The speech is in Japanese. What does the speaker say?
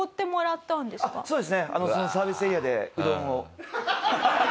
そうですね。